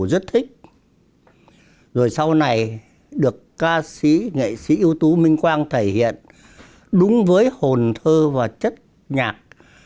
rất thích rồi sau này được ca sĩ nghệ sĩ ưu tú minh quang thể hiện đúng với hồn thơ và chất nhạc